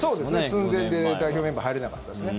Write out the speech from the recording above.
寸前で代表メンバー入れなかったですね。